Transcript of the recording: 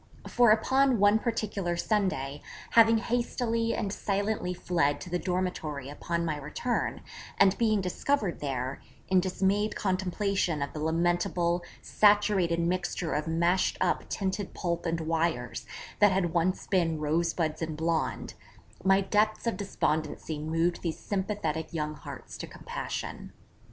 For upon one particular Sunday, having hastily and silently fled to the dormitory upon my return, and being discovered there, in dismayed contemplation of the lamentable saturated mixture of mashed up tinted pulp and wires, that had once been rosebuds and blonde, my depths of despondency moved these sympathetic young hearts to compassion.